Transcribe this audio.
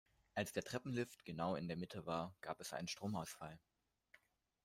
Als der Treppenlift genau in der Mitte war, gab es einen Stromausfall.